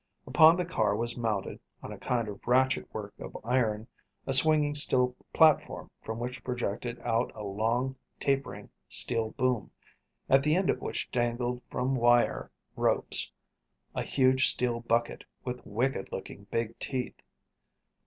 Upon the car was mounted, on a kind of ratchet work of iron, a swinging steel platform, from which projected out a long tapering steel boom, at the end of which dangled from wire ropes a huge steel bucket with wicked looking big teeth.